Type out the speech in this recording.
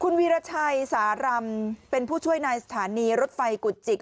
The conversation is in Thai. คุณวีรชัยสารำเป็นผู้ช่วยในสถานีรถไฟกุจิก